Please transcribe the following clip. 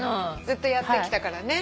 ずっとやってきたからね。